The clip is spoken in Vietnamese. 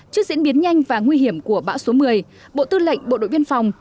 trước diễn biến nhanh và nguy hiểm của bão số một mươi bộ tư lệnh bộ đội biên phòng